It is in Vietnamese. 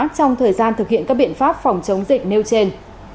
trong thời gian thực hiện các biện pháp phòng chống dịch nêu trên